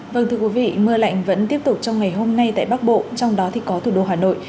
vâng thưa quý vị mưa lạnh vẫn tiếp tục trong ngày hôm nay tại bắc bộ trong đó thì có thủ đô hà nội